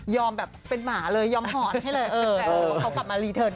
ยอมแบบเป็นหมาเลยยอมห่อนให้เลย